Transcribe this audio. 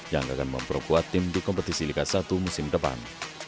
yang akan memperkuat tim di kompetisi liga satu musim depan